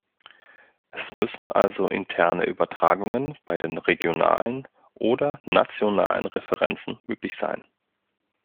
Es müssen also interne Übertragungen bei den regionalen oder nationalen Referenzen möglich sein.